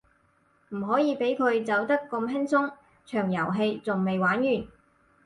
唔可以畀佢走得咁輕鬆，場遊戲仲未玩完